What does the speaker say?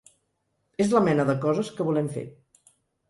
És la mena de coses que volem fer.